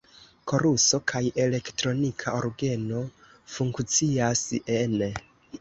Koruso kaj elektronika orgeno funkcias ene.